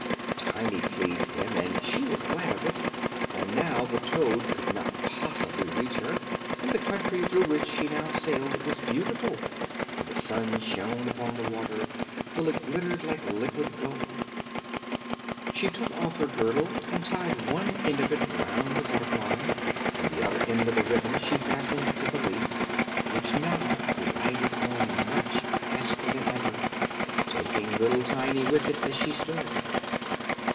Tiny pleased him, and she was glad of it, for now the toad could not possibly reach her, and the country through which she sailed was beautiful, and the sun shone upon the water, till it glittered like liquid gold. She took off her girdle and tied one end of it round the butterfly, and the other end of the ribbon she fastened to the leaf, which now glided on much faster than ever, taking little Tiny with it as she stood.